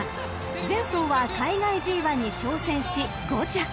［前走は海外ＧⅠに挑戦し５着］